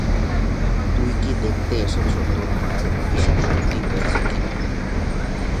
তুই কি দেখতে এসেছ তোর মায়ের অভিশাপ সত্যি হয়েছে কিনা?